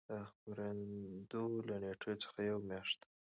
د خپرېدو له نېټې څخـه یـوه میاشـت